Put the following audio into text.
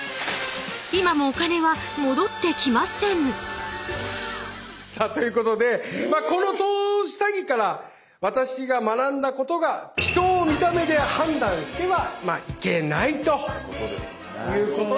今もお金は戻ってきませんさあということでこの投資詐欺から私が学んだことが人を見た目で判断してはいけないということですね。